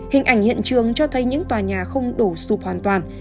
hình ảnh hiện trường cho thấy những tòa nhà không đổ sụp hoàn toàn